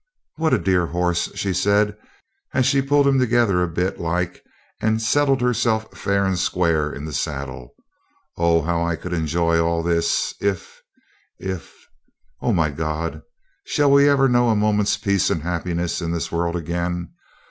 'What a dear horse,' she said, as she pulled him together a bit like and settled herself fair and square in the saddle. 'Oh, how I could enjoy all this if if O my God! shall we ever know a moment's peace and happiness in this world again?